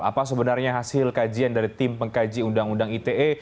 apa sebenarnya hasil kajian dari tim pengkaji undang undang ite